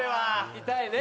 痛いね。